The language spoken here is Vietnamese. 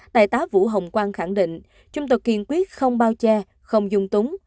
đại tá vũ hồng quang khẳng định chúng tôi kiên quyết không bao che không dung túng